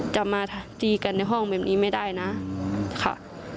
จะมาตีกันในห้องแบบนี้ไม่ได้นะค่ะ